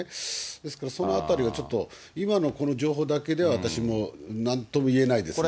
ですからそのあたりがちょっと、今のこの情報だけでは、私も、なんとも言えないですね。